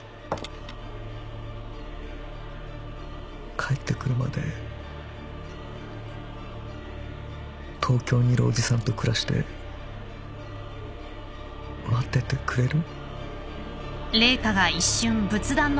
帰ってくるまで東京にいるおじさんと暮らして待っててくれる？